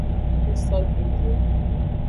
Ngsogbe vie.